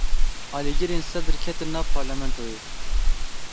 Alîgirên Sedr ketin nav parlamentoyê.